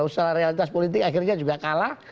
fragmentas politik akhirnya juga kalah